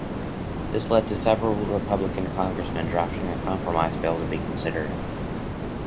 This led to several Republican Congressmen drafting a compromise bill to be considered.